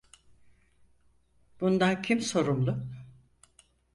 Bundan kim sorumlu?